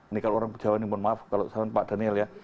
ini kalau orang jawa ini mohon maaf kalau saya pak daniel ya